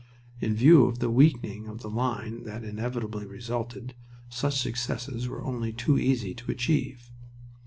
In view of the weakening of the line that inevitably resulted, such successes were only too easy to achieve.